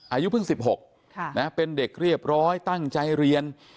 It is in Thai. อายุเพิ่งสิบหกค่ะนะเป็นเด็กเรียบร้อยตั้งใจเรียน